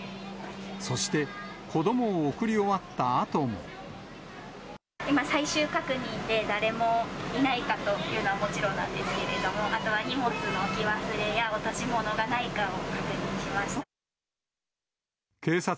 そして、今、最終確認で、誰もいないかというのはもちろんなんですけれども、あとは荷物の置き忘れや、落し物がないかを確認しました。